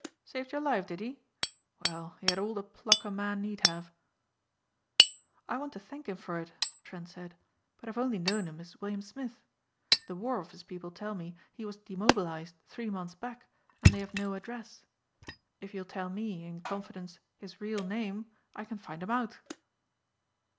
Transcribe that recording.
Saved your life did he? Well, he had all the pluck a man need have." "I want to thank him for it," Trent said, "but I've only known him as William Smith. The War Office people tell me he was demobilized three months back and they have no address. If you'll tell me, in confidence, his real name I can find him out."